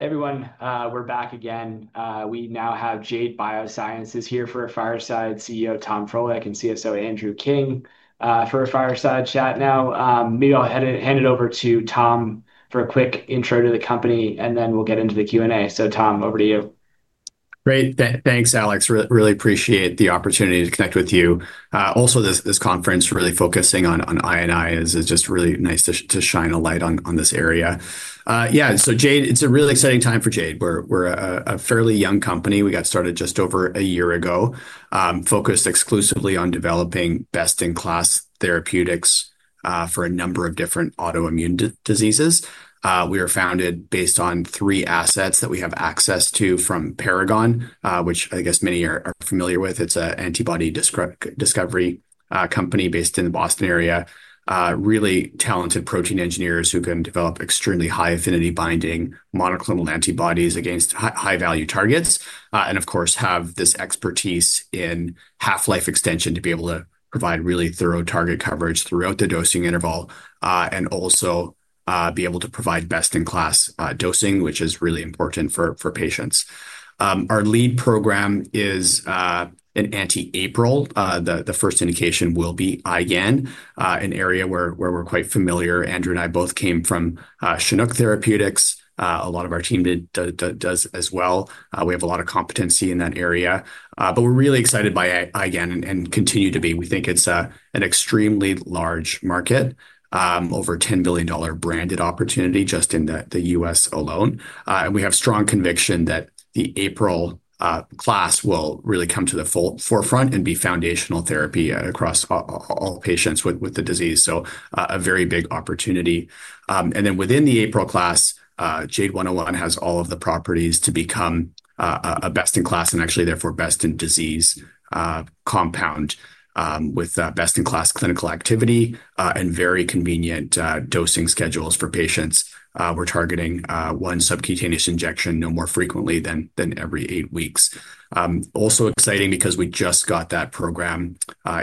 Everyone, we're back again. We now have Jade Biosciences here for a fireside, CEO Tom Frohlich and CSO Andrew King for a fireside chat. Maybe I'll hand it over to Tom for a quick intro to the company, and then we'll get into the Q&A. Tom, over to you. Great, thanks Alex. Really appreciate the opportunity to connect with you. Also, this conference really focusing on I&I is just really nice to shine a light on this area. Yeah, so Jade, it's a really exciting time for Jade. We're a fairly young company. We got started just over a year ago, focused exclusively on developing best-in-class therapeutics for a number of different autoimmune diseases. We are founded based on three assets that we have access to from Paragon Therapeutics, which I guess many are familiar with. It's an antibody discovery company based in the Boston area. Really talented protein engineers who can develop extremely high affinity binding monoclonal antibodies against high-value targets. Of course, they have this expertise in half-life extension to be able to provide really thorough target coverage throughout the dosing interval, and also be able to provide best-in-class dosing, which is really important for patients. Our lead program is an anti-APRIL antibody. The first indication will be IGAN, an area where we're quite familiar. Andrew and I both came from Chinook Therapeutics. A lot of our team does as well. We have a lot of competency in that area. We're really excited by IGAN and continue to be. We think it's an extremely large market, over a $10 billion branded opportunity just in the U.S. alone. We have strong conviction that the APRIL class will really come to the forefront and be foundational therapy across all patients with the disease. A very big opportunity. Within the APRIL class, Jade 101 has all of the properties to become a best-in-class and actually therefore best-in-disease compound with best-in-class clinical activity and very convenient dosing schedules for patients. We're targeting one subcutaneous injection no more frequently than every eight weeks. Also exciting because we just got that program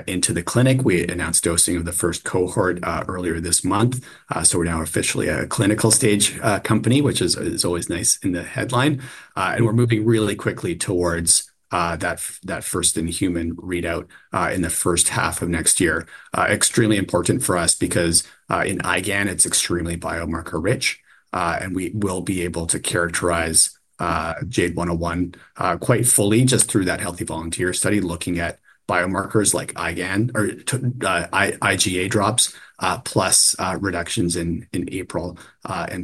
into the clinic. We announced dosing of the first cohort earlier this month. We're now officially a clinical stage company, which is always nice in the headline. We're moving really quickly towards that first-in-human readout in the first half of next year. Extremely important for us because in IGAN, it's extremely biomarker rich. We will be able to characterize Jade 101 quite fully just through that healthy volunteer study looking at biomarkers like IGA drops plus reductions in APRIL.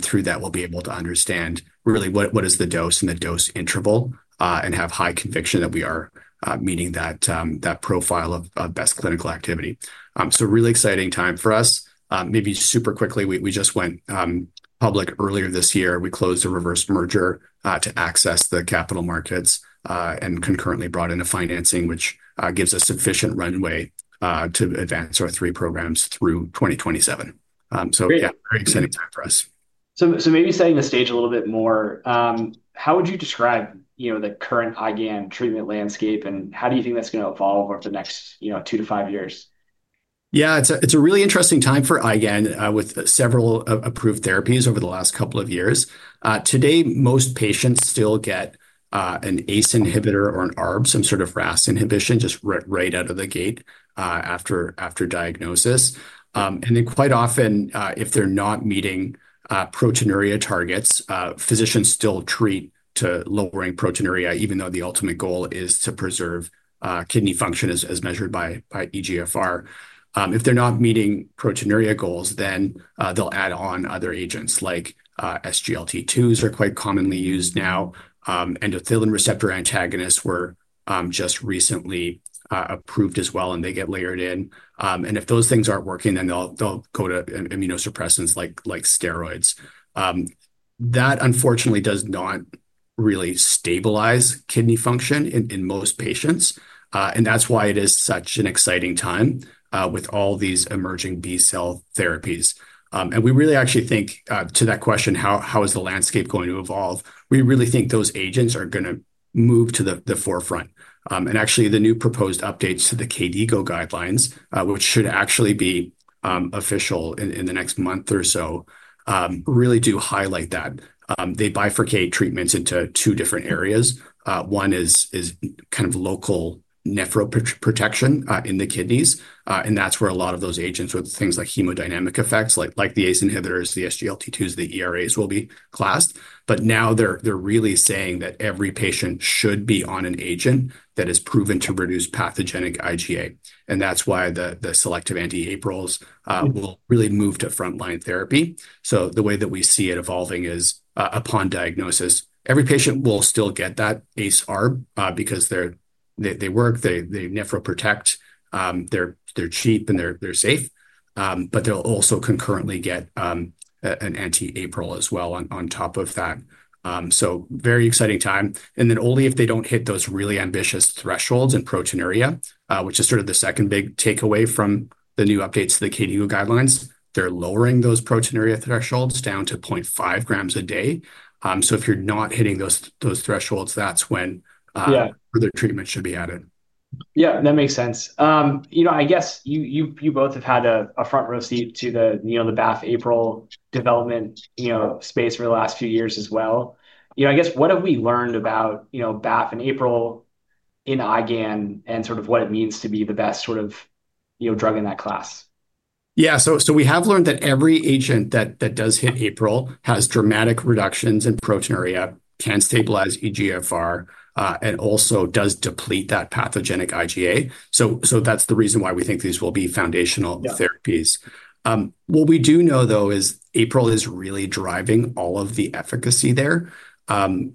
Through that, we'll be able to understand really what is the dose and the dose interval and have high conviction that we are meeting that profile of best clinical activity. Really exciting time for us. Maybe super quickly, we just went public earlier this year. We closed a reverse merger to access the capital markets and concurrently brought in the financing, which gives us sufficient runway to advance our three programs through 2027. Very exciting time for us. Maybe setting the stage a little bit more, how would you describe the current IGAN treatment landscape and how do you think that's going to evolve over the next two to five years? Yeah, it's a really interesting time for IGAN with several approved therapies over the last couple of years. Today, most patients still get an ACE inhibitor or an ARB, some sort of RAS inhibition just right out of the gate after diagnosis. Quite often, if they're not meeting proteinuria targets, physicians still treat to lowering proteinuria, even though the ultimate goal is to preserve kidney function as measured by EGFR. If they're not meeting proteinuria goals, they'll add on other agents like SGLT2s, which are quite commonly used now. Endothelin receptor antagonists were just recently approved as well, and they get layered in. If those things aren't working, they'll go to immunosuppressants like steroids. That unfortunately does not really stabilize kidney function in most patients. That's why it is such an exciting time with all these emerging B-cell therapies. We really actually think to that question, how is the landscape going to evolve? We really think those agents are going to move to the forefront. Actually, the new proposed updates to the KDIGO guidelines, which should actually be official in the next month or so, really do highlight that. They bifurcate treatments into two different areas. One is kind of local nephroprotection in the kidneys, and that's where a lot of those agents with things like hemodynamic effects, like the ACE inhibitors, the SGLT2s, the ERAs will be classed. Now they're really saying that every patient should be on an agent that is proven to reduce pathogenic IGA. That's why the selective anti-APRILs will really move to frontline therapy. The way that we see it evolving is upon diagnosis, every patient will still get that ACE ARB because they work, they nephroprotect, they're cheap, and they're safe. They'll also concurrently get an anti-APRIL as well on top of that. Very exciting time. Only if they don't hit those really ambitious thresholds in proteinuria, which is sort of the second big takeaway from the new updates to the KDIGO guidelines, they're lowering those proteinuria thresholds down to 0.5 g a day. If you're not hitting those thresholds, that's when further treatment should be added. Yeah, that makes sense. I guess you both have had a front row seat to the BAFF-APRIL development space for the last few years as well. I guess what have we learned about BAFF and APRIL in IGAN and sort of what it means to be the best sort of drug in that class? Yeah, we have learned that every agent that does hit APRIL has dramatic reductions in proteinuria, can stabilize eGFR, and also does deplete that pathogenic IgA. That's the reason why we think these will be foundational therapies. What we do know, though, is APRIL is really driving all of the efficacy there.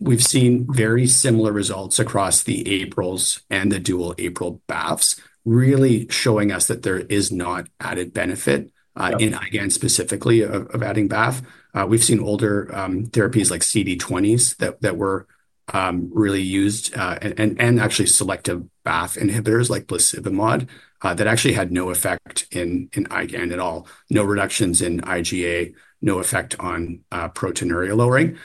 We've seen very similar results across the APRILs and the dual APRIL BAFFs, really showing us that there is not added benefit in IGAN specifically of adding BAFF. We've seen older therapies like CD20s that were really used and actually selective BAFF inhibitors like blisibimod that actually had no effect in IGAN at all. No reductions in IgA, no effect on proteinuria lowering.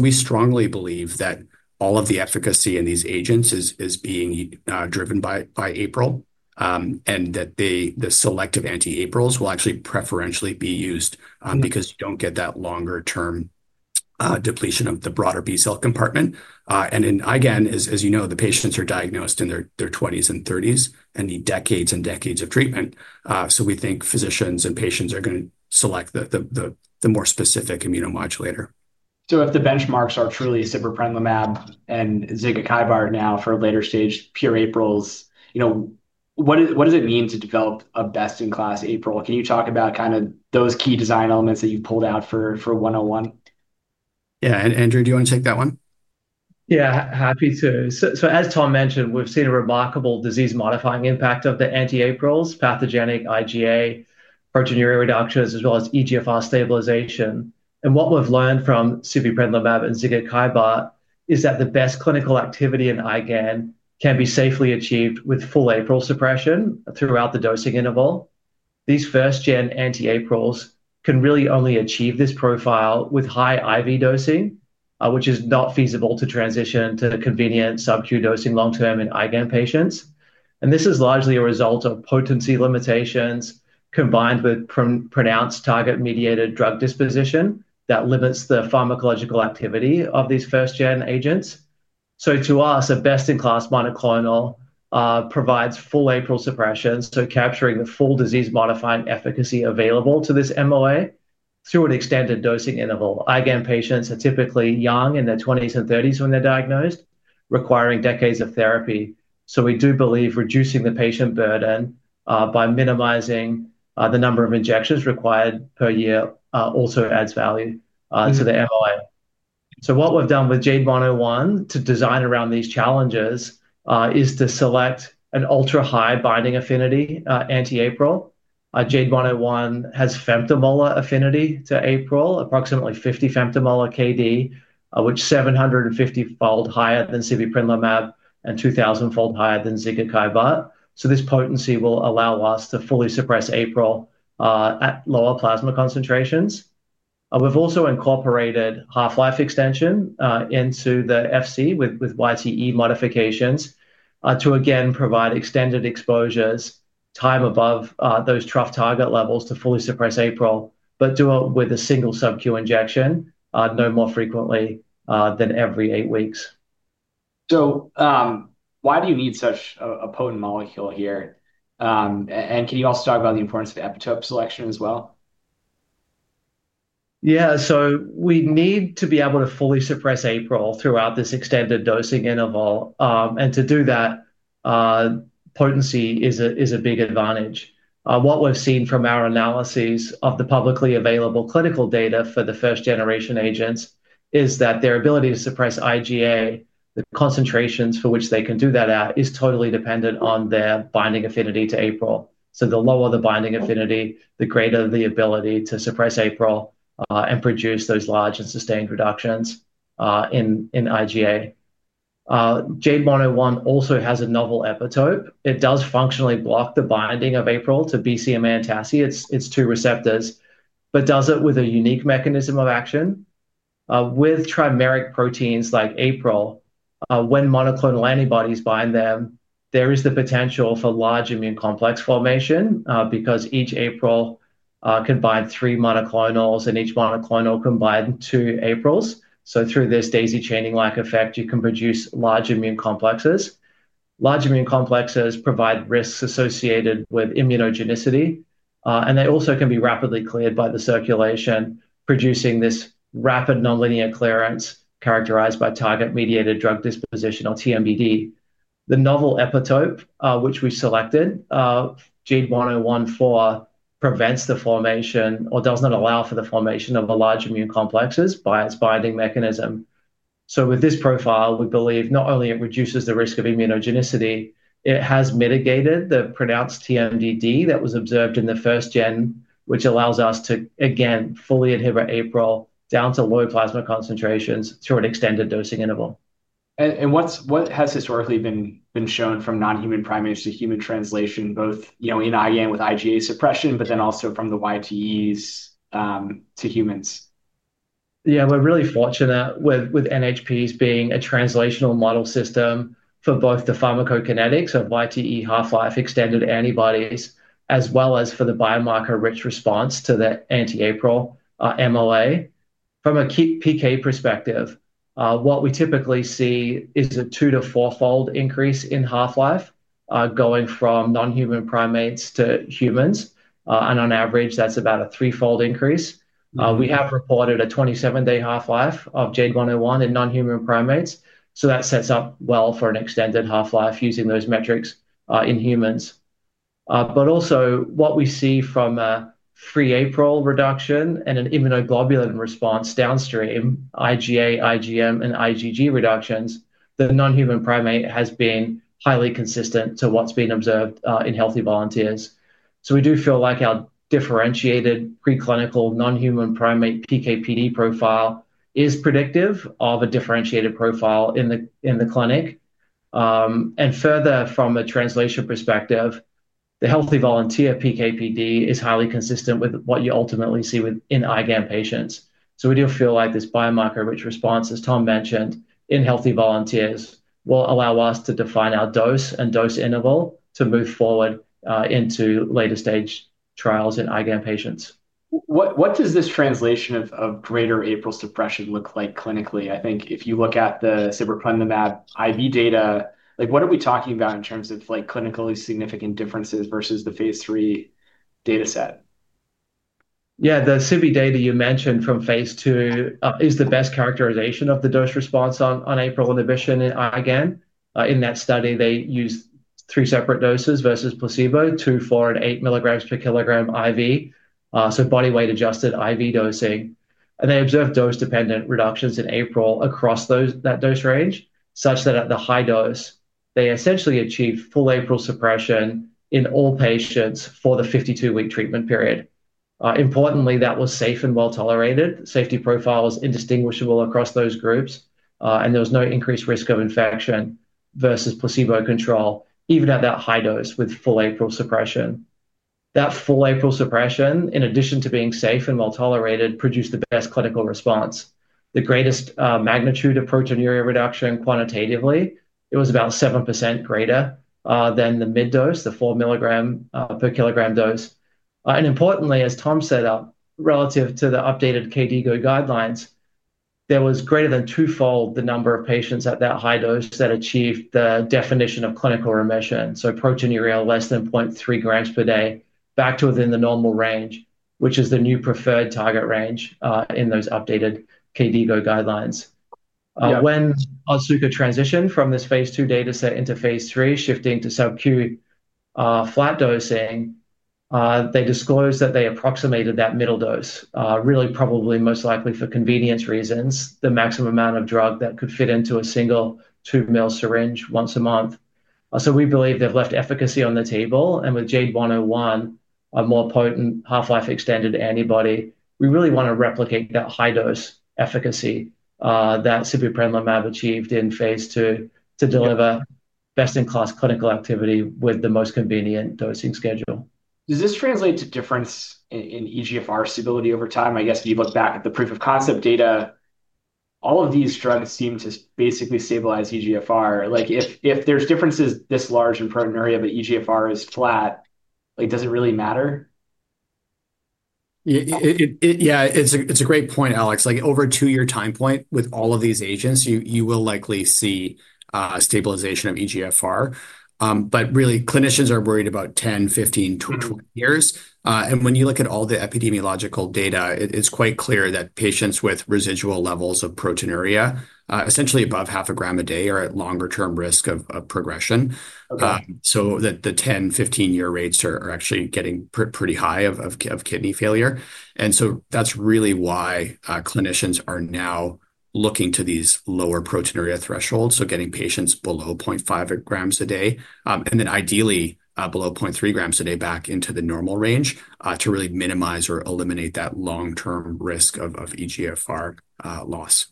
We strongly believe that all of the efficacy in these agents is being driven by APRIL and that the selective anti-APRILs will actually preferentially be used because you don't get that longer-term depletion of the broader B-cell compartment. In IGAN, as you know, the patients are diagnosed in their 20s and 30s and need decades and decades of treatment. We think physicians and patients are going to select the more specific immunomodulator. If the benchmarks are truly sibeprenlimab and zygelimab now for a later stage pure anti-APRILs, what does it mean to develop a best-in-class anti-APRIL? Can you talk about kind of those key design elements that you pulled out for 101? Yeah, Andrew, do you want to take that one? Yeah, happy to. As Tom mentioned, we've seen a remarkable disease-modifying impact of the anti-APRILs, pathogenic IgA, proteinuria reductions, as well as eGFR stabilization. What we've learned from sibeprenlimab and zygelimab is that the best clinical activity in IGAN can be safely achieved with full APRIL suppression throughout the dosing interval. These first-gen anti-APRILs can really only achieve this profile with high IV dosing, which is not feasible to transition to convenient subcutaneous dosing long-term in IGAN patients. This is largely a result of potency limitations combined with pronounced target-mediated drug disposition that limits the pharmacological activity of these first-gen agents. To us, a best-in-class monoclonal provides full APRIL suppression, capturing the full disease-modifying efficacy available to this MOA through an extended dosing interval. IGAN patients are typically young, in their 20s and 30s when they're diagnosed, requiring decades of therapy. We do believe reducing the patient burden by minimizing the number of injections required per year also adds value to the MOA. What we've done with Jade 101 to design around these challenges is to select an ultra-high binding affinity anti-APRIL. Jade 101 has femtomolar affinity to APRIL, approximately 50 femtomolar KD, which is 750-fold higher than sibeprenlimab and 2,000-fold higher than zygelimab. This potency will allow us to fully suppress APRIL at lower plasma concentrations. We've also incorporated half-life extension into the Fc with YTE modifications to again provide extended exposures, time above those trough target levels to fully suppress APRIL, but do it with a single subcutaneous injection, no more frequently than every eight weeks. Why do you need such a potent molecule here? Can you also talk about the importance of epitope selection as well? Yeah, so we need to be able to fully suppress APRIL throughout this extended dosing interval. To do that, potency is a big advantage. What we've seen from our analyses of the publicly available clinical data for the first-generation agents is that their ability to suppress IgA, the concentrations for which they can do that at, is totally dependent on their binding affinity to APRIL. The lower the binding affinity, the greater the ability to suppress APRIL and produce those large and sustained reductions in IgA. Jade 101 also has a novel epitope. It does functionally block the binding of APRIL to BCMA and TACI, its two receptors, but does it with a unique mechanism of action. With trimeric proteins like APRIL, when monoclonal antibodies bind them, there is the potential for large immune complex formation because each APRIL can bind three monoclonals and each monoclonal can bind two APRILs. Through this daisy chaining-like effect, you can produce large immune complexes. Large immune complexes provide risks associated with immunogenicity. They also can be rapidly cleared by the circulation, producing this rapid nonlinear clearance characterized by target-mediated drug disposition or TMDD. The novel epitope, which we've selected Jade 101 for, prevents the formation or doesn't allow for the formation of large immune complexes by its binding mechanism. With this profile, we believe not only it reduces the risk of immunogenicity, it has mitigated the pronounced TMDD that was observed in the first gen, which allows us to again fully inhibit APRIL down to low plasma concentrations through an extended dosing interval. What has historically been shown from non-human primates to human translation, both in IGAN with IgA suppression, but also from the YTEs to humans? Yeah, we're really fortunate with NHPs being a translational model system for both the pharmacokinetics of YTE-mediated half-life extended antibodies, as well as for the biomarker-rich response to the anti-APRIL MOA. From a PK perspective, what we typically see is a two to four-fold increase in half-life going from non-human primates to humans. On average, that's about a three-fold increase. We have reported a 27-day half-life of Jade 101 in non-human primates. That sets up well for an extended half-life using those metrics in humans. Also, what we see from a free APRIL reduction and an immunoglobulin response downstream, IgA, IgM, and IgG reductions, the non-human primate has been highly consistent to what's been observed in Healthy Volunteers. We do feel like our differentiated preclinical non-human primate PKPD profile is predictive of a differentiated profile in the clinic. Further, from a translation perspective, the Healthy Volunteer PKPD is highly consistent with what you ultimately see in IGAN patients. We do feel like this biomarker-rich response, as Tom mentioned, in Healthy Volunteers will allow us to define our dose and dose interval to move forward into later stage trials in IGAN patients. What does this translation of greater APRIL suppression look like clinically? I think if you look at the sibeprenlimab IB data, like what are we talking about in terms of like clinically significant differences versus the phase three data set? Yeah, the CIVI data you mentioned from phase two is the best characterization of the dose response on APRIL inhibition in IGAN. In that study, they used three separate doses versus placebo, 2, 4, and 8 mg per kilogram IV. So body weight-adjusted IV dosing. They observed dose-dependent reductions in APRIL across that dose range, such that at the high dose, they essentially achieved full APRIL suppression in all patients for the 52-week treatment period. Importantly, that was safe and well tolerated. Safety profile was indistinguishable across those groups, and there was no increased risk of infection versus placebo control, even at that high dose with full APRIL suppression. That full APRIL suppression, in addition to being safe and well tolerated, produced the best clinical response. The greatest magnitude of proteinuria reduction quantitatively, it was about 7% greater than the mid-dose, the 4 milligram per kilogram dose. Importantly, as Tom said, relative to the updated KDIGO guidelines, there was greater than twofold the number of patients at that high dose that achieved the definition of clinical remission. So proteinuria less than 0.3 g per day, back to within the normal range, which is the new preferred target range in those updated KDIGO guidelines. When Otsuka transitioned from this phase two data set into phase three, shifting to subcutaneous flat dosing, they disclosed that they approximated that middle dose, really probably most likely for convenience reasons, the maximum amount of drug that could fit into a single 2 mL syringe once a month. We believe they've left efficacy on the table. With Jade 101, a more potent half-life extended antibody, we really want to replicate that high dose efficacy that sibeprenlimab achieved in phase two to deliver best-in-class clinical activity with the most convenient dosing schedule. Does this translate to difference in eGFR stability over time? I guess if you look back at the proof of concept data, all of these drugs seem to basically stabilize eGFR. If there's differences this large in proteinuria, but eGFR is flat, does it really matter? Yeah, it's a great point, Alex. Over a two-year time point with all of these agents, you will likely see a stabilization of EGFR. Clinicians are worried about 10, 15, 20 years. When you look at all the epidemiological data, it's quite clear that patients with residual levels of proteinuria, essentially above 0.5 g a day, are at longer-term risk of progression. The 10, 15-year rates are actually getting pretty high of kidney failure. That's really why clinicians are now looking to these lower proteinuria thresholds, getting patients below 0.5 g a day, and then ideally below 0.3 g a day back into the normal range to really minimize or eliminate that long-term risk of EGFR loss.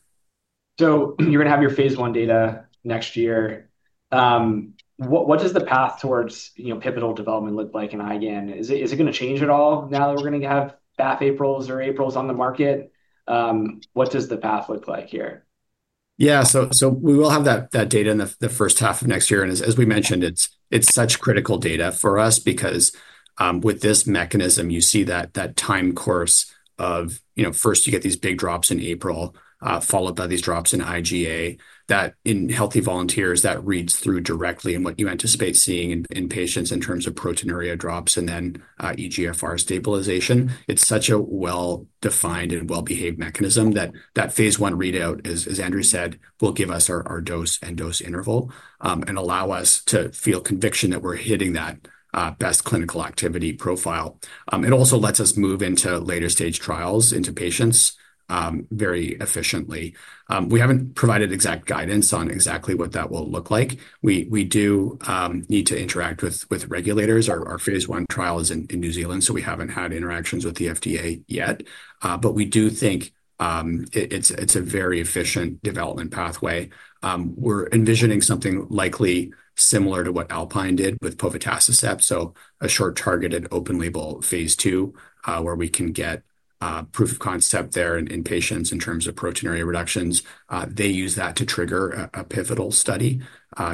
You are going to have your phase one data next year. What does the path towards pivotal development look like in IGAN? Is it going to change at all now that we're going to have BAFF-APRILs or APRILs on the market? What does the path look like here? Yeah, we will have that data in the first half of next year. As we mentioned, it's such critical data for us because with this mechanism, you see that time course of, you know, first you get these big drops in APRIL, followed by these drops in IgA. That in healthy volunteers, that reads through directly and what you anticipate seeing in patients in terms of proteinuria drops and then eGFR stabilization. It's such a well-defined and well-behaved mechanism that that phase one readout, as Andrew said, will give us our dose and dose interval and allow us to feel conviction that we're hitting that best clinical activity profile. It also lets us move into later stage trials into patients very efficiently. We haven't provided exact guidance on exactly what that will look like. We do need to interact with regulators. Our phase one trial is in New Zealand, so we haven't had interactions with the FDA yet. We do think it's a very efficient development pathway. We're envisioning something likely similar to what Alpine did with povetacicept, so a short targeted open-label phase two, where we can get proof of concept there in patients in terms of proteinuria reductions. They use that to trigger a pivotal study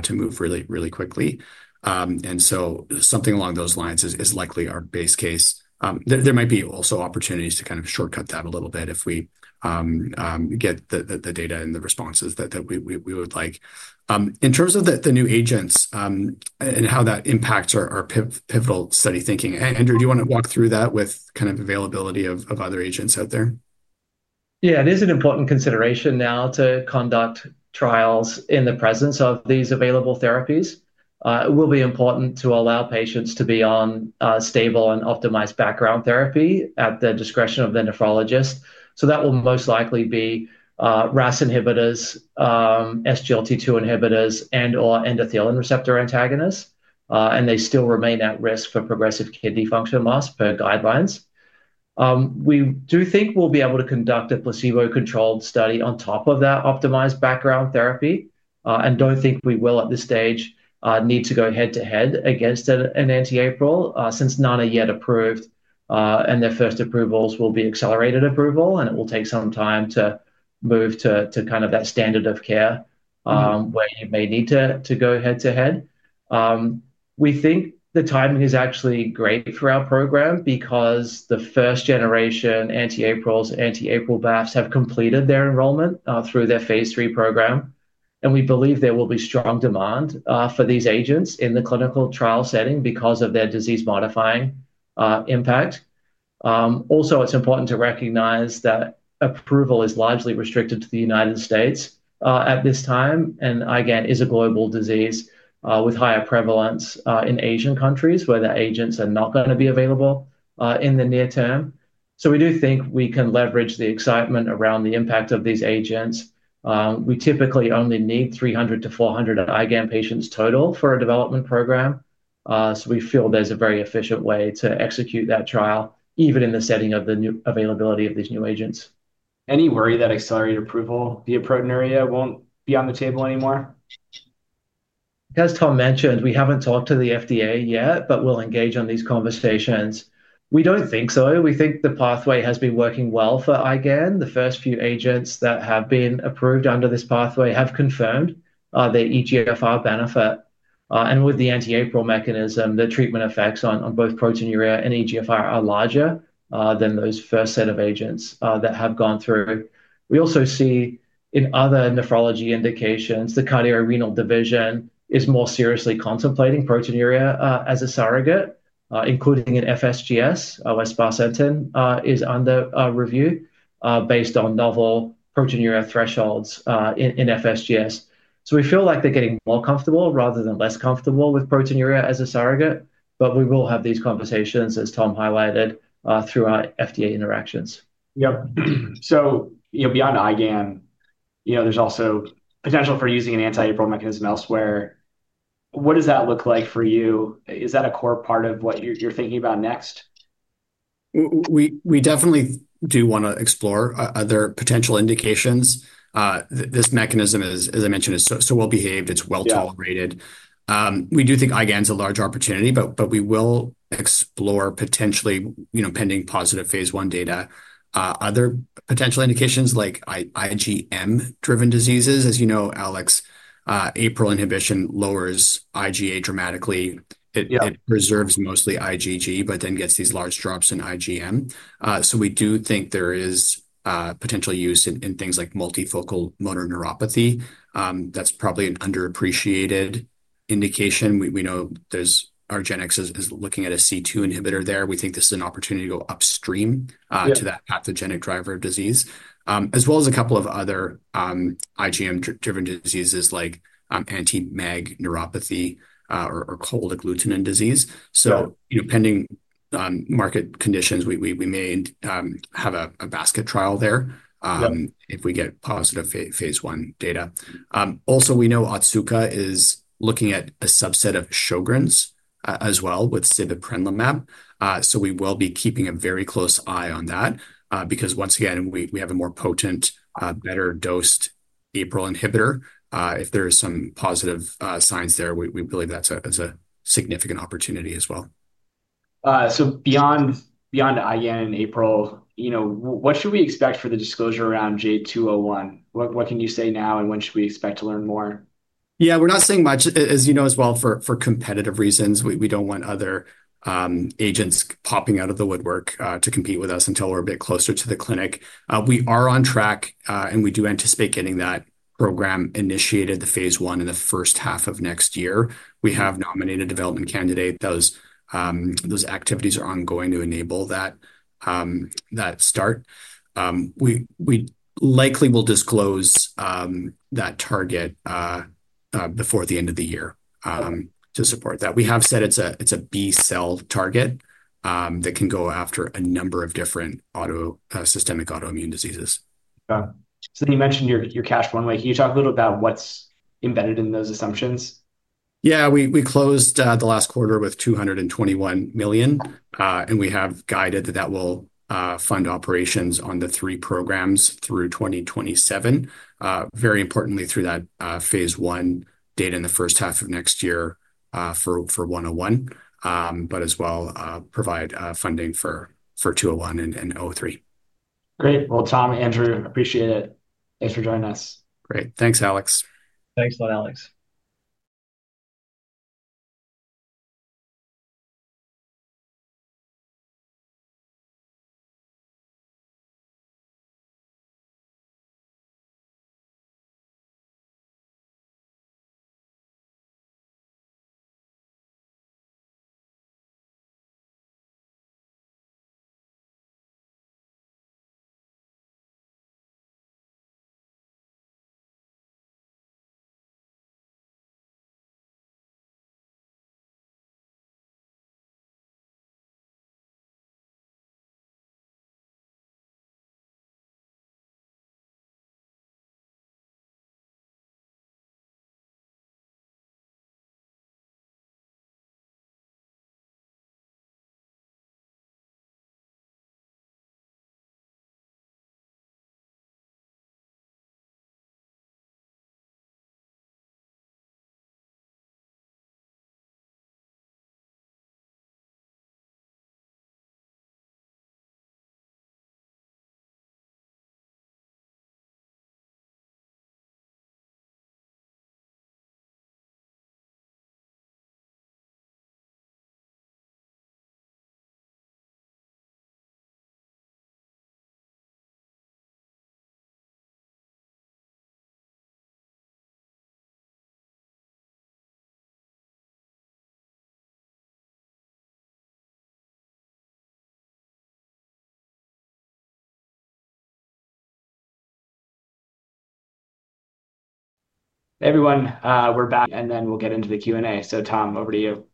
to move really, really quickly. Something along those lines is likely our base case. There might be also opportunities to kind of shortcut that a little bit if we get the data and the responses that we would like. In terms of the new agents and how that impacts our pivotal study thinking, Andrew, do you want to walk through that with kind of availability of other agents out there? Yeah, it is an important consideration now to conduct trials in the presence of these available therapies. It will be important to allow patients to be on stable and optimized background therapy at the discretion of the nephrologist. That will most likely be RAS inhibitors, SGLT2 inhibitors, and/or endothelin receptor antagonists. They still remain at risk for progressive kidney function loss per guidelines. We do think we'll be able to conduct a placebo-controlled study on top of that optimized background therapy. We don't think we will at this stage need to go head-to-head against an anti-APRIL since none are yet approved. Their first approvals will be accelerated approval. It will take some time to move to kind of that standard of care where you may need to go head-to-head. We think the timing is actually great for our program because the first-generation anti-APRILs, anti-APRIL BAFFs have completed their enrollment through their phase three program. We believe there will be strong demand for these agents in the clinical trial setting because of their disease-modifying impact. Also, it's important to recognize that approval is largely restricted to the United States at this time. IGAN is a global disease with higher prevalence in Asian countries where the agents are not going to be available in the near term. We do think we can leverage the excitement around the impact of these agents. We typically only need 300 to 400 IGAN patients total for a development program. We feel there's a very efficient way to execute that trial, even in the setting of the availability of these new agents. Any worry that accelerated approval via proteinuria won't be on the table anymore? As Tom mentioned, we haven't talked to the FDA yet, but we'll engage in these conversations. We don't think so. We think the pathway has been working well for IGAN. The first few agents that have been approved under this pathway have confirmed their EGFR benefit. With the anti-APRIL mechanism, the treatment effects on both proteinuria and EGFR are larger than those first set of agents that have gone through. We also see in other nephrology indications, the cardiorenal division is more seriously contemplating proteinuria as a surrogate, including in FSGS. West Barcentin is under review based on novel proteinuria thresholds in FSGS. We feel like they're getting more comfortable rather than less comfortable with proteinuria as a surrogate. We will have these conversations, as Tom highlighted, through our FDA interactions. Yeah, so beyond IGAN, there's also potential for using an anti-APRIL mechanism elsewhere. What does that look like for you? Is that a core part of what you're thinking about next? We definitely do want to explore other potential indications. This mechanism, as I mentioned, is so well behaved. It's well tolerated. We do think IGAN is a large opportunity, but we will explore potentially pending positive phase one data. Other potential indications like IGM-driven diseases, as you know, Alex, APRIL inhibition lowers IgA dramatically. It preserves mostly IgG, but then gets these large drops in IgM. We do think there is potential use in things like multifocal motor neuropathy. That's probably an underappreciated indication. We know argenx is looking at a C2 inhibitor there. We think this is an opportunity to go upstream to that pathogenic driver of disease, as well as a couple of other IGM-driven diseases like anti-MAG neuropathy or cold agglutinin disease. Pending market conditions, we may have a basket trial there if we get positive phase one data. We know Otsuka is looking at a subset of Sjogren's as well with sibeprenlimab. We will be keeping a very close eye on that because once again, we have a more potent, better dosed APRIL inhibitor. If there are some positive signs there, we believe that's a significant opportunity as well. Beyond IGAN and APRIL, what should we expect for the disclosure around Jade 201? What can you say now and when should we expect to learn more? Yeah, we're not saying much. As you know as well, for competitive reasons, we don't want other agents popping out of the woodwork to compete with us until we're a bit closer to the clinic. We are on track and we do anticipate getting that program initiated, the phase one in the first half of next year. We have nominated a development candidate. Those activities are ongoing to enable that start. We likely will disclose that target before the end of the year to support that. We have said it's a B-cell target that can go after a number of different systemic autoimmune diseases. You mentioned your cash flow in a way. Can you talk a little bit about what's embedded in those assumptions? We closed the last quarter with $221 million, and we have guided that that will fund operations on the three prog through 2027. Very importantly, through that phase one data in the first half of next year for Jade 101, but as well provide funding for Jade 201 and 03. Great. Tom, Andrew, appreciate it. Thanks for joining us. Great. Thanks, Alex. Thanks a lot, Alex. Hey everyone, we're back. We'll get into the Q&A. Tom, over to you.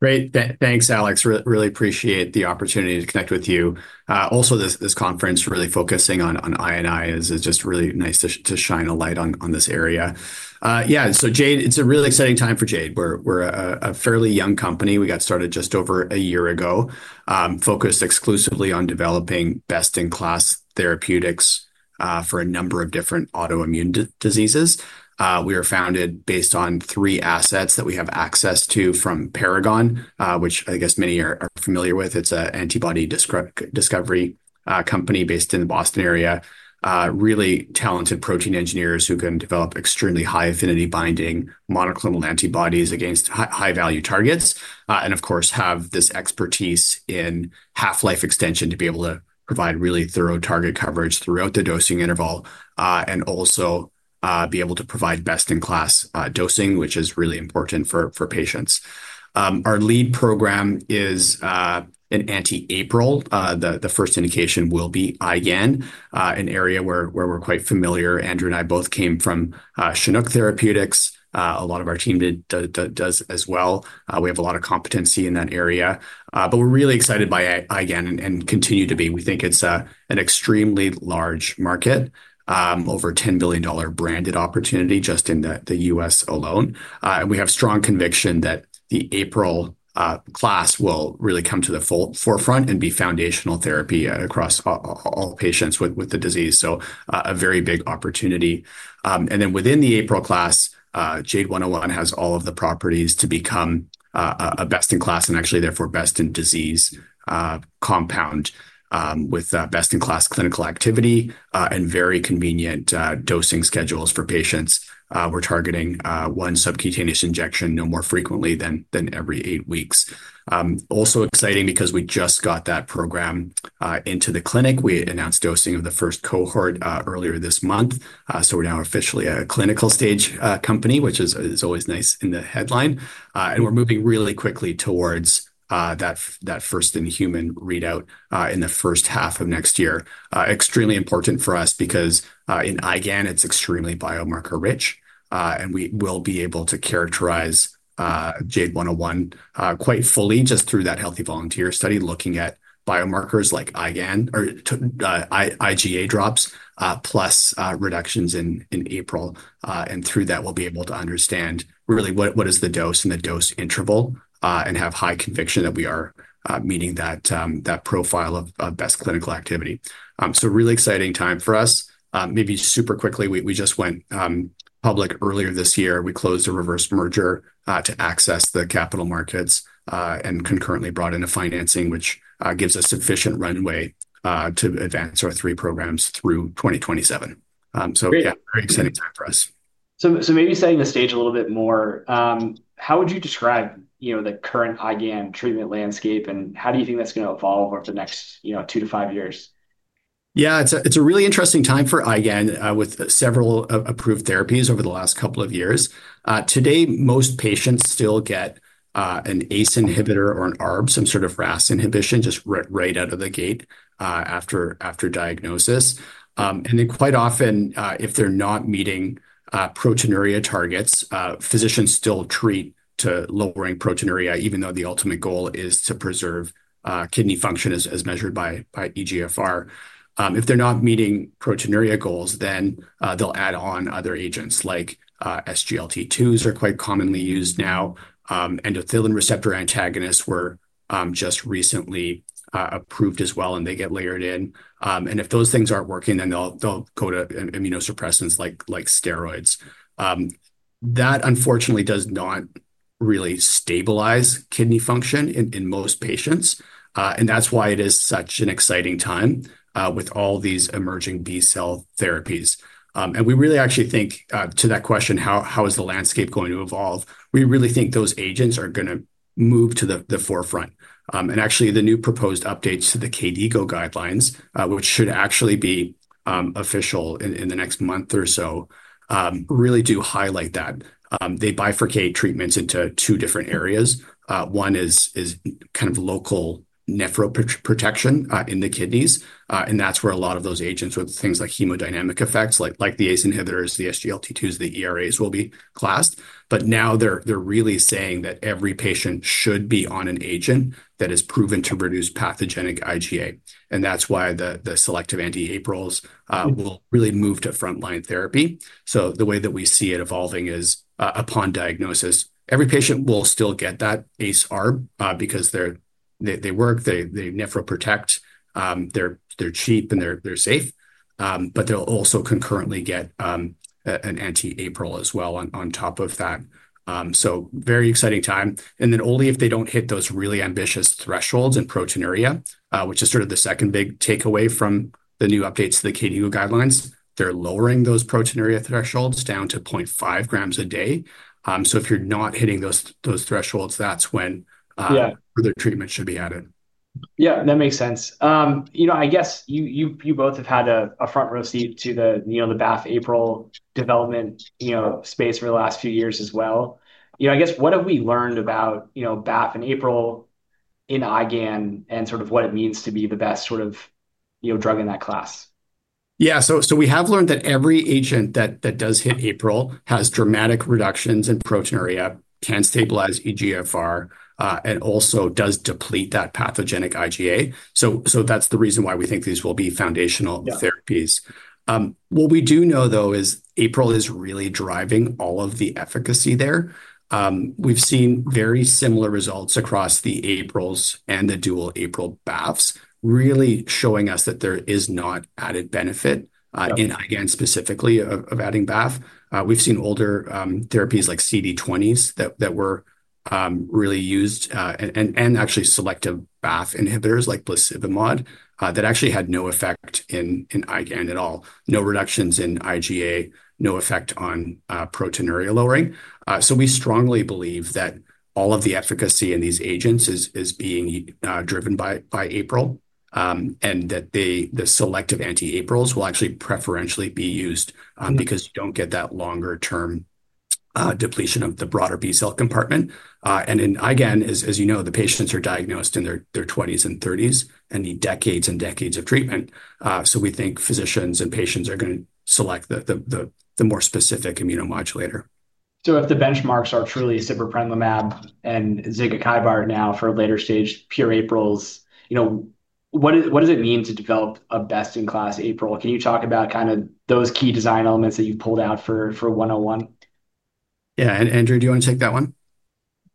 Great, thanks Alex. Really appreciate the opportunity to connect with you. Also, this conference really focusing on I&I is just really nice to shine a light on this area. Yeah, so Jade, it's a really exciting time for Jade. We're a fairly young company. We got started just over a year ago, focused exclusively on developing best-in-class therapeutics for a number of different autoimmune diseases. We are founded based on three assets that we have access to from Paragon Therapeutics, which I guess many are familiar with. It's an antibody discovery company based in the Boston area. Really talented protein engineers who can develop extremely high affinity binding monoclonal antibodies against high-value targets. Of course, they have this expertise in half-life extension to be able to provide really thorough target coverage throughout the dosing interval and also be able to provide best-in-class dosing, which is really important for patients. Our lead program is an anti-APRIL antibody. The first indication will be IGAN, an area where we're quite familiar. Andrew and I both came from Chinook Therapeutics. A lot of our team does as well. We have a lot of competency in that area. We're really excited by IGAN and continue to be. We think it's an extremely large market, over a $10 billion branded opportunity just in the U.S. alone. We have strong conviction that the APRIL class will really come to the forefront and be foundational therapy across all patients with the disease. A very big opportunity. Within the APRIL class, Jade 101 has all of the properties to become a best-in-class and actually therefore best-in-disease compound with best-in-class clinical activity and very convenient dosing schedules for patients. We're targeting one subcutaneous injection no more frequently than every eight weeks. Also exciting because we just got that program into the clinic. We announced dosing of the first cohort earlier this month. We're now officially a clinical stage company, which is always nice in the headline. We're moving really quickly towards that first-in-human readout in the first half of next year. Extremely important for us because in IGAN, it's extremely biomarker rich. We will be able to characterize Jade 101 quite fully just through that healthy volunteer study looking at biomarkers like IGA drops plus reductions in APRIL. Through that, we'll be able to understand really what is the dose and the dose interval and have high conviction that we are meeting that profile of best clinical activity. Really exciting time for us. Maybe super quickly, we just went public earlier this year. We closed a reverse merger to access the capital markets and concurrently brought in the financing, which gives us sufficient runway to advance our three prog through 2027. Very exciting time for us. Maybe setting the stage a little bit more, how would you describe the current IGAN treatment landscape and how do you think that's going to evolve over the next two to five years? Yeah, it's a really interesting time for IGAN with several approved therapies over the last couple of years. Today, most patients still get an ACE inhibitor or an ARB, some sort of RAS inhibition just right out of the gate after diagnosis. Quite often, if they're not meeting proteinuria targets, physicians still treat to lowering proteinuria, even though the ultimate goal is to preserve kidney function as measured by eGFR. If they're not meeting proteinuria goals, they'll add on other agents like SGLT2s, which are quite commonly used now. Endothelin receptor antagonists were just recently approved as well, and they get layered in. If those things aren't working, they'll go to immunosuppressants like steroids. That unfortunately does not really stabilize kidney function in most patients. That's why it is such an exciting time with all these emerging B-cell therapies. We really actually think to that question, how is the landscape going to evolve? We really think those agents are going to move to the forefront. Actually, the new proposed updates to the KDIGO guidelines, which should actually be official in the next month or so, really do highlight that. They bifurcate treatments into two different areas. One is kind of local nephroprotection in the kidneys, and that's where a lot of those agents with things like hemodynamic effects, like the ACE inhibitors, the SGLT2s, the ERAs, will be classed. Now they're really saying that every patient should be on an agent that is proven to reduce pathogenic IgA. That's why the selective anti-APRILs will really move to frontline therapy. The way that we see it evolving is upon diagnosis, every patient will still get that ACE ARB because they work, they nephroprotect, they're cheap, and they're safe. They'll also concurrently get an anti-APRIL as well on top of that. Very exciting time. Only if they don't hit those really ambitious thresholds in proteinuria, which is sort of the second big takeaway from the new updates to the KDIGO guidelines, they're lowering those proteinuria thresholds down to 0.5 g a day. If you're not hitting those thresholds, that's when further treatment should be added. Yeah, that makes sense. I guess you both have had a front row seat to the BAFF-APRIL development space over the last few years as well. I guess what have we learned about BAFF and APRIL in IGAN and sort of what it means to be the best sort of drug in that class? Yeah, we have learned that every agent that does hit APRIL has dramatic reductions in proteinuria, can stabilize eGFR, and also does deplete that pathogenic IgA. That's the reason why we think these will be foundational therapies. What we do know, though, is APRIL is really driving all of the efficacy there. We've seen very similar results across the APRILs and the dual APRIL BAFFs, really showing us that there is not added benefit in IGAN specifically of adding BAFF. We've seen older therapies like CD20s that were really used and actually selective BAFF inhibitors like plazibamod that actually had no effect in IGAN at all. No reductions in IgA, no effect on proteinuria lowering. We strongly believe that all of the efficacy in these agents is being driven by APRIL and that the selective anti-APRILs will actually preferentially be used because you don't get that longer-term depletion of the broader B-cell compartment. In IGAN, as you know, the patients are diagnosed in their 20s and 30s and need decades and decades of treatment. We think physicians and patients are going to select the more specific immunomodulator. If the benchmarks are truly sibeprenlimab and zygelimab now for a later stage pure anti-APRILs, what does it mean to develop a best-in-class anti-APRIL? Can you talk about kind of those key design elements that you pulled out for 101? Yeah, Andrew, do you want to take that one?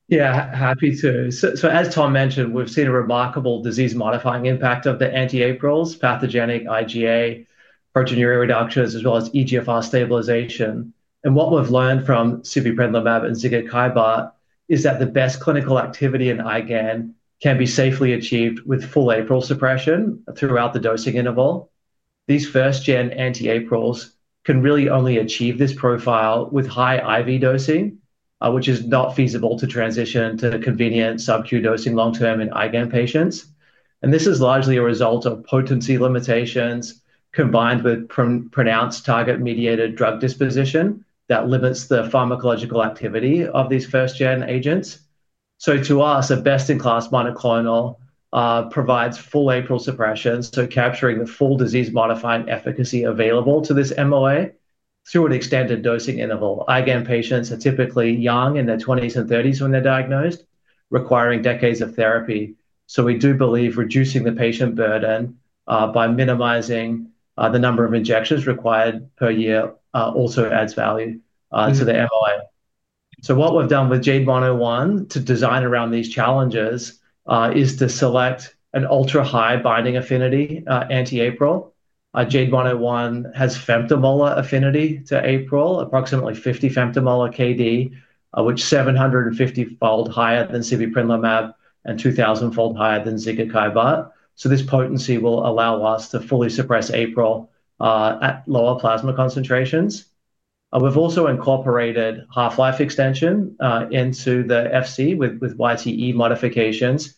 Yeah, happy to. As Tom mentioned, we've seen a remarkable disease-modifying impact of the anti-APRILs, pathogenic IgA, proteinuria reductions, as well as eGFR stabilization. What we've learned from sibeprenlimab and zygelimab is that the best clinical activity in IGAN can be safely achieved with full APRIL suppression throughout the dosing interval. These first-gen anti-APRILs can really only achieve this profile with high IV dosing, which is not feasible to transition to convenient subcutaneous dosing long-term in IGAN patients. This is largely a result of potency limitations combined with pronounced target-mediated drug disposition that limits the pharmacological activity of these first-gen agents. To us, a best-in-class monoclonal provides full APRIL suppression, so capturing the full disease-modifying efficacy available to this MOA through an extended dosing interval. IGAN patients are typically young, in their 20s and 30s when they're diagnosed, requiring decades of therapy. We do believe reducing the patient burden by minimizing the number of injections required per year also adds value to the MOA. What we've done with Jade 101 to design around these challenges is to select an ultra-high binding affinity anti-APRIL. Jade 101 has femtomolar affinity to APRIL, approximately 50 femtomolar KD, which is 750-fold higher than sibeprenlimab and 2,000-fold higher than zygelimab. This potency will allow us to fully suppress APRIL at lower plasma concentrations. We've also incorporated half-life extension into the Fc with YTE modifications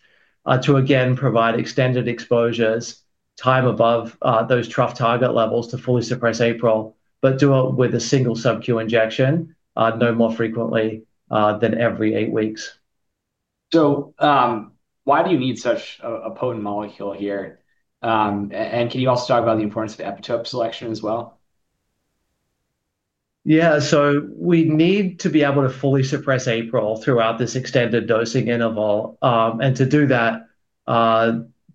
to again provide extended exposures, time above those trough target levels to fully suppress APRIL, but do it with a single subcutaneous injection, no more frequently than every eight weeks. Why do you need such a potent molecule here? Can you also talk about the importance of epitope selection as well? Yeah, so we need to be able to fully suppress APRIL throughout this extended dosing interval. To do that,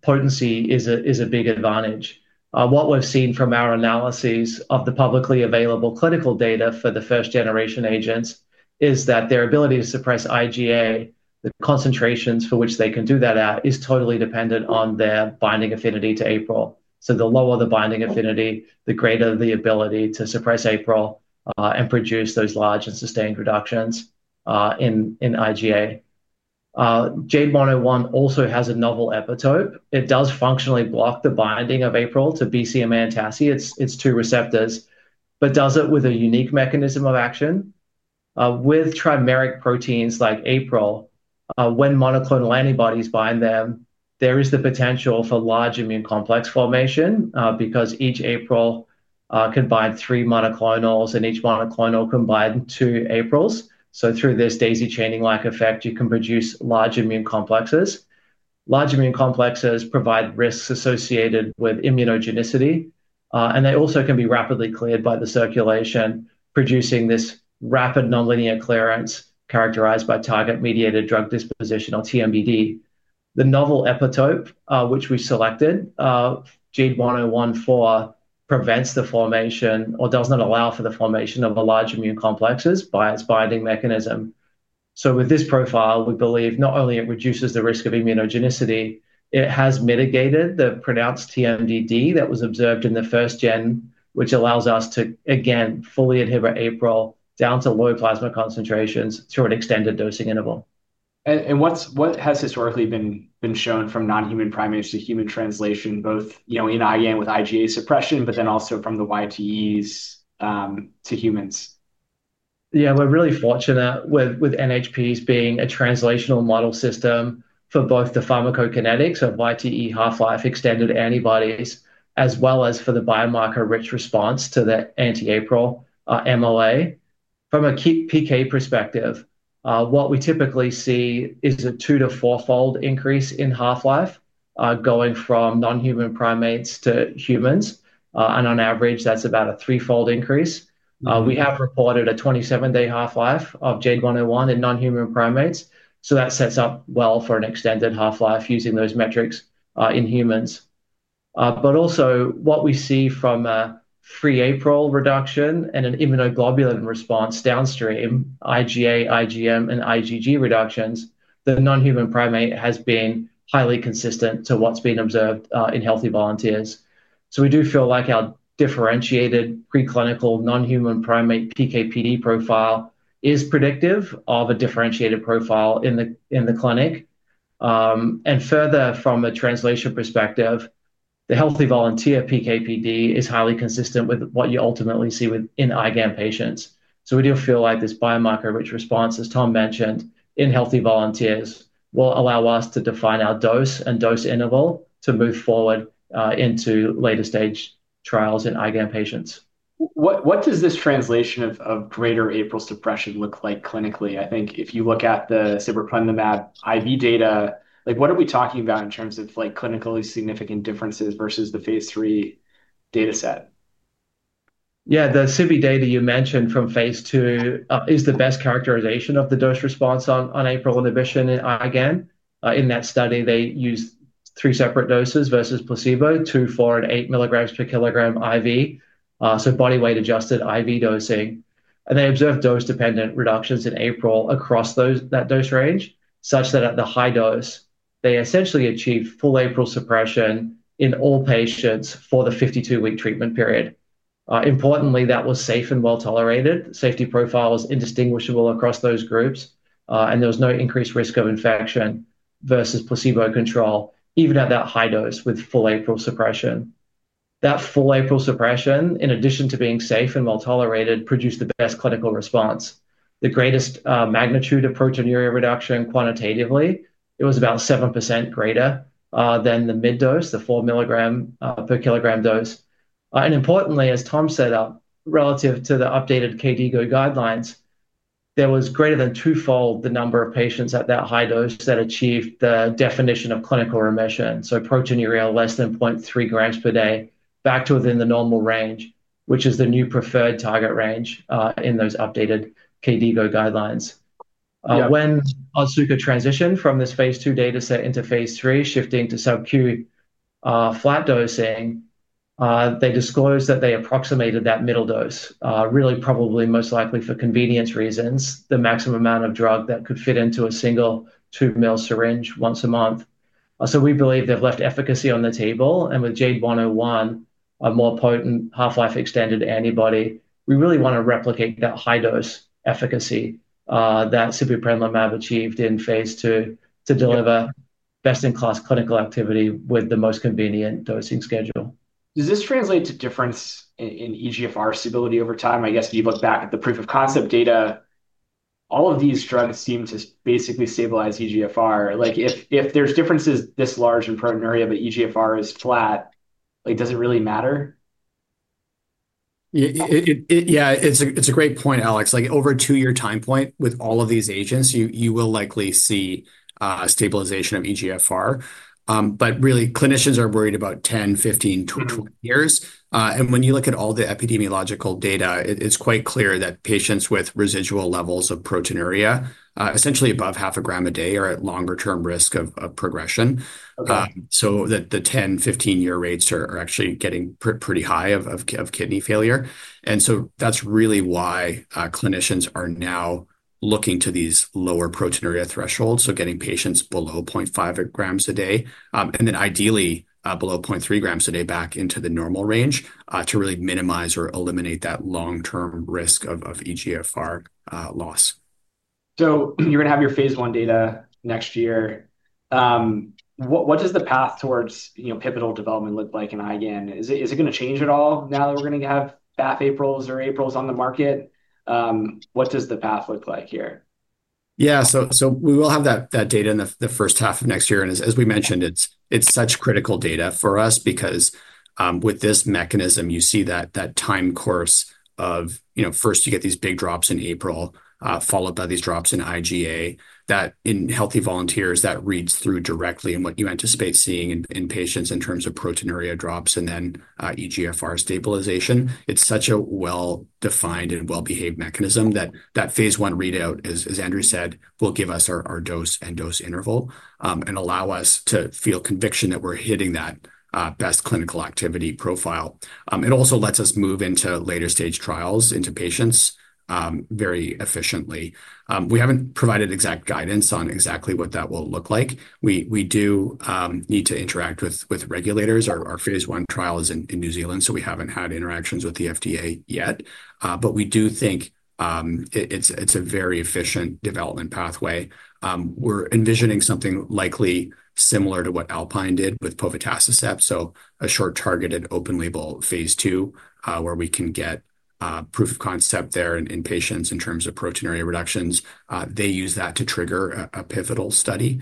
potency is a big advantage. What we've seen from our analyses of the publicly available clinical data for the first-generation agents is that their ability to suppress IgA, the concentrations for which they can do that at, is totally dependent on their binding affinity to APRIL. The lower the binding affinity, the greater the ability to suppress APRIL and produce those large and sustained reductions in IgA. Jade 101 also has a novel epitope. It does functionally block the binding of APRIL to BCMA and TACI, its two receptors, but does it with a unique mechanism of action. With trimeric proteins like APRIL, when monoclonal antibodies bind them, there is the potential for large immune complex formation because each APRIL can bind three monoclonals and each monoclonal can bind two APRILs. Through this daisy chaining-like effect, you can produce large immune complexes. Large immune complexes provide risks associated with immunogenicity. They also can be rapidly cleared by the circulation, producing this rapid nonlinear clearance characterized by target-mediated drug disposition or TMDD. The novel epitope, which we selected Jade 101 for, prevents the formation or doesn't allow for the formation of large immune complexes by its binding mechanism. With this profile, we believe not only it reduces the risk of immunogenicity, it has mitigated the pronounced TMDD that was observed in the first gen, which allows us to again fully inhibit APRIL down to low plasma concentrations through an extended dosing interval. What has historically been shown from non-human primates to human translation, both in IGAN with IgA suppression, but also from the YTEs to humans? Yeah, we're really fortunate with NHPs being a translational model system for both the pharmacokinetics of YTE-mediated half-life extended antibodies, as well as for the biomarker-rich response to the anti-APRIL MOA. From a PK perspective, what we typically see is a two to four-fold increase in half-life going from non-human primates to humans. On average, that's about a three-fold increase. We have reported a 27-day half-life of Jade 101 in non-human primates. That sets up well for an extended half-life using those metrics in humans. Also, what we see from a free APRIL reduction and an immunoglobulin response downstream, IgA, IgM, and IgG reductions, the non-human primate has been highly consistent to what's been observed in Healthy Volunteers. We do feel like our differentiated preclinical non-human primate PKPD profile is predictive of a differentiated profile in the clinic. Further, from a translation perspective, the Healthy Volunteer PKPD is highly consistent with what you ultimately see in IGAN patients. We do feel like this biomarker-rich response, as Tom mentioned, in Healthy Volunteers will allow us to define our dose and dose interval to move forward into later stage trials in IGAN patients. What does this translation of greater APRIL suppression look like clinically? I think if you look at the sibeprenlimab IV data, like what are we talking about in terms of like clinically significant differences versus the phase three data set? Yeah, the CIVI data you mentioned from phase two is the best characterization of the dose response on APRIL inhibition in IGAN. In that study, they used three separate doses versus placebo, 2, 4, and 8 mg per kilogram IV. So body weight-adjusted IV dosing. They observed dose-dependent reductions in APRIL across that dose range, such that at the high dose, they essentially achieved full APRIL suppression in all patients for the 52-week treatment period. Importantly, that was safe and well tolerated. Safety profile was indistinguishable across those groups, and there was no increased risk of infection versus placebo control, even at that high dose with full APRIL suppression. That full APRIL suppression, in addition to being safe and well tolerated, produced the best clinical response. The greatest magnitude of proteinuria reduction quantitatively, it was about 7% greater than the mid-dose, the 4 milligram per kilogram dose. Importantly, as Tom said, relative to the updated KDIGO guidelines, there was greater than twofold the number of patients at that high dose that achieved the definition of clinical remission. So proteinuria less than 0.3 g per day, back to within the normal range, which is the new preferred target range in those updated KDIGO guidelines. When Otsuka transitioned from this phase two data set into phase three, shifting to subcutaneous flat dosing, they disclosed that they approximated that middle dose, really probably most likely for convenience reasons, the maximum amount of drug that could fit into a single 2 mL syringe once a month. We believe they've left efficacy on the table. With Jade 101, a more potent half-life extended antibody, we really want to replicate that high dose efficacy that sibeprenlimab achieved in phase two to deliver best-in-class clinical activity with the most convenient dosing schedule. Does this translate to difference in eGFR stability over time? I guess if you look back at the proof of concept data, all of these drugs seem to basically stabilize eGFR. If there's differences this large in proteinuria, but eGFR is flat, does it really matter? Yeah, it's a great point, Alex. Over a two-year time point with all of these agents, you will likely see a stabilization of EGFR. Clinicians are worried about 10, 15, 20 years. When you look at all the epidemiological data, it's quite clear that patients with residual levels of proteinuria, essentially above 0.5 g a day, are at longer-term risk of progression. The 10, 15-year rates are actually getting pretty high of kidney failure. That's really why clinicians are now looking to these lower proteinuria thresholds, getting patients below 0.5 g a day, and then ideally below 0.3 g a day back into the normal range to really minimize or eliminate that long-term risk of EGFR loss. You are going to have your phase one data next year. What does the path towards pivotal development look like in IGAN? Is it going to change at all now that we're going to have BAFF-APRILs or APRILs on the market? What does the path look like here? Yeah, so we will have that data in the first half of next year. As we mentioned, it's such critical data for us because with this mechanism, you see that time course of, you know, first you get these big drops in APRIL, followed by these drops in IgA. That in healthy volunteers, that reads through directly in what you anticipate seeing in patients in terms of proteinuria drops and then eGFR stabilization. It's such a well-defined and well-behaved mechanism that that phase one readout, as Andrew King said, will give us our dose and dose interval and allow us to feel conviction that we're hitting that best clinical activity profile. It also lets us move into later stage trials into patients very efficiently. We haven't provided exact guidance on exactly what that will look like. We do need to interact with regulators. Our phase one trial is in New Zealand, so we haven't had interactions with the FDA yet. We do think it's a very efficient development pathway. We're envisioning something likely similar to what Alpine did with povetacicept, so a short targeted open-label phase two where we can get proof of concept there in patients in terms of proteinuria reductions. They use that to trigger a pivotal study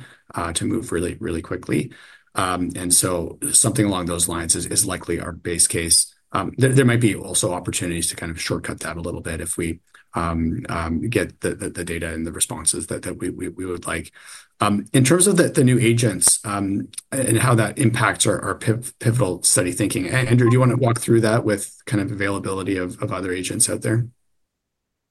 to move really, really quickly. Something along those lines is likely our base case. There might be also opportunities to kind of shortcut that a little bit if we get the data and the responses that we would like. In terms of the new agents and how that impacts our pivotal study thinking, Andrew, do you want to walk through that with kind of availability of other agents out there?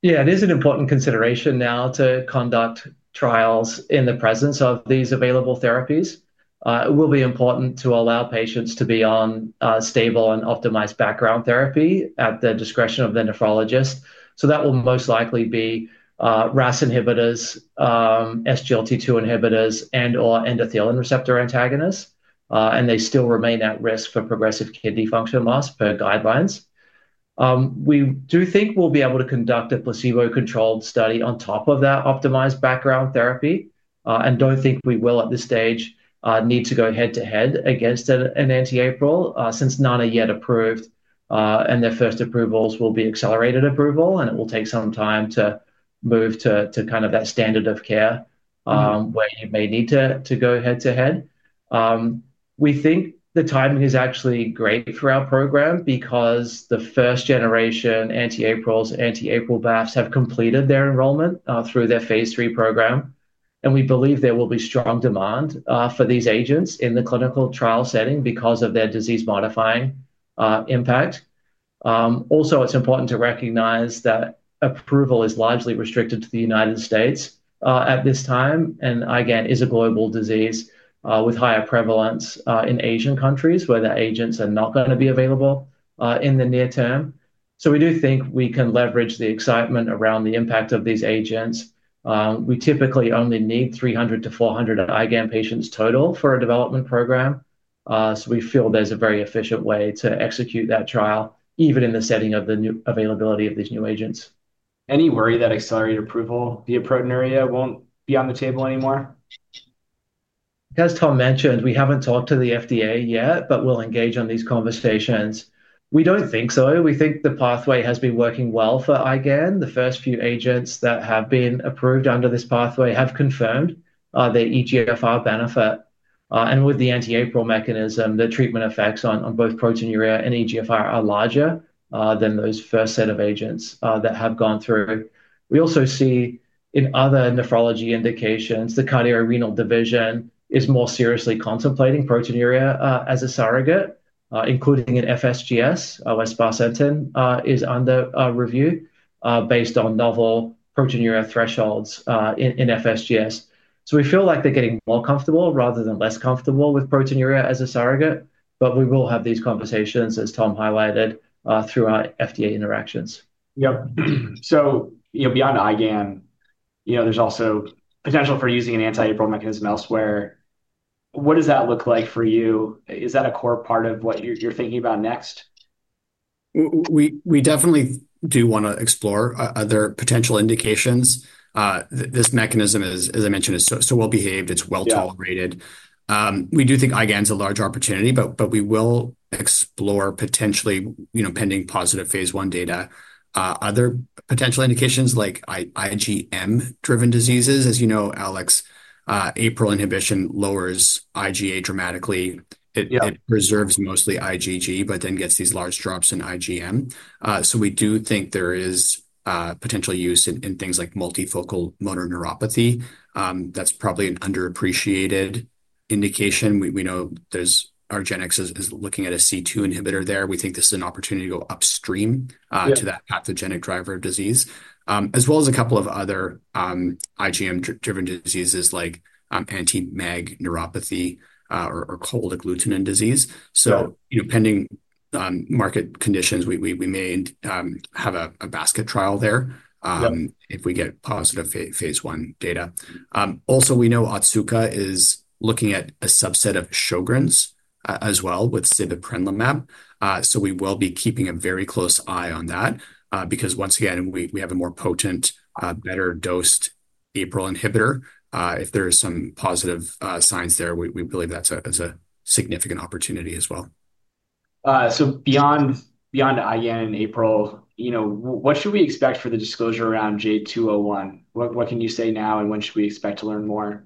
Yeah, it is an important consideration now to conduct trials in the presence of these available therapies. It will be important to allow patients to be on stable and optimized background therapy at the discretion of the nephrologist. That will most likely be RAS inhibitors, SGLT2 inhibitors, and/or endothelin receptor antagonists. They still remain at risk for progressive kidney function loss per guidelines. We do think we'll be able to conduct a placebo-controlled study on top of that optimized background therapy. We don't think we will at this stage need to go head-to-head against an anti-APRIL since none are yet approved. Their first approvals will be accelerated approval. It will take some time to move to kind of that standard of care where you may need to go head-to-head. We think the timing is actually great for our program because the first-generation anti-APRILs, anti-APRIL BAFFs have completed their enrollment through their phase three program. We believe there will be strong demand for these agents in the clinical trial setting because of their disease-modifying impact. Also, it's important to recognize that approval is largely restricted to the United States at this time. IGAN is a global disease with higher prevalence in Asian countries where the agents are not going to be available in the near term. We do think we can leverage the excitement around the impact of these agents. We typically only need 300 to 400 IGAN patients total for a development program. We feel there's a very efficient way to execute that trial, even in the setting of the availability of these new agents. Any worry that accelerated approval via proteinuria won't be on the table anymore? As Tom mentioned, we haven't talked to the FDA yet, but we'll engage in these conversations. We don't think so. We think the pathway has been working well for IGAN. The first few agents that have been approved under this pathway have confirmed their eGFR benefit. With the anti-APRIL mechanism, the treatment effects on both proteinuria and eGFR are larger than those first set of agents that have gone through. We also see in other nephrology indications, the cardiorenal division is more seriously contemplating proteinuria as a surrogate, including in FSGS. West Barcentin is under review based on novel proteinuria thresholds in FSGS. We feel like they're getting more comfortable rather than less comfortable with proteinuria as a surrogate. We will have these conversations, as Tom highlighted, through our FDA interactions. Yep. Beyond IGAN, there's also potential for using an anti-APRIL mechanism elsewhere. What does that look like for you? Is that a core part of what you're thinking about next? We definitely do want to explore other potential indications. This mechanism, as I mentioned, is so well behaved. It's well tolerated. We do think IGAN is a large opportunity, but we will explore potentially pending positive phase one data. Other potential indications like IGM-driven diseases, as you know, Alex, APRIL inhibition lowers IgA dramatically. It preserves mostly IgG, but then gets these large drops in IGM. We do think there is potential use in things like multifocal motor neuropathy. That's probably an underappreciated indication. We know argenx is looking at a C2 inhibitor there. We think this is an opportunity to go upstream to that pathogenic driver of disease, as well as a couple of other IGM-driven diseases like anti-MAG neuropathy or cold agglutinin disease. Pending market conditions, we may have a basket trial there if we get positive phase one data. We know Otsuka is looking at a subset of Sjogren's as well with sibeprenlimab. We will be keeping a very close eye on that because once again, we have a more potent, better dosed APRIL inhibitor. If there are some positive signs there, we believe that's a significant opportunity as well. Beyond IGAN and APRIL, what should we expect for the disclosure around Jade 201? What can you say now and when should we expect to learn more?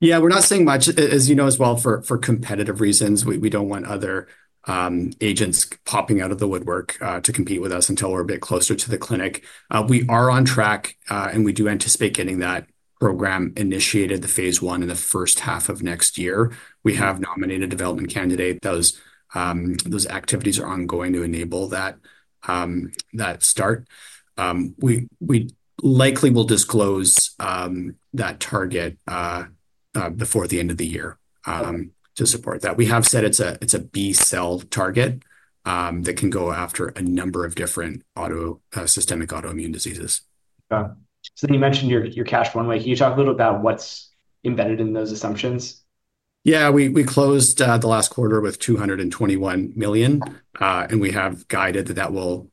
Yeah, we're not saying much. As you know as well, for competitive reasons, we don't want other agents popping out of the woodwork to compete with us until we're a bit closer to the clinic. We are on track and we do anticipate getting that program initiated, the phase one in the first half of next year. We have nominated a development candidate. Those activities are ongoing to enable that start. We likely will disclose that target before the end of the year to support that. We have said it's a B-cell target that can go after a number of different systemic autoimmune diseases. You mentioned your cash flow in a way. Can you talk a little bit about what's embedded in those assumptions? Yeah, we closed the last quarter with $221 million, and we have guided that that will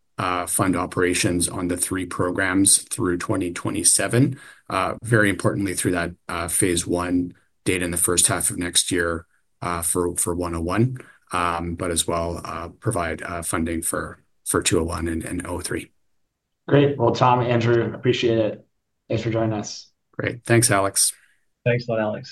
fund operations on the three programs through 2027. Very importantly, through that phase one data in the first half of next year for Jade 101, but as well provide funding for Jade 201 and 03. Great. Tom, Andrew, appreciate it. Thanks for joining us. Great. Thanks, Alex. Thanks a lot, Alex.